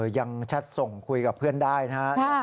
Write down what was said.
แชทส่งคุยกับเพื่อนได้นะครับ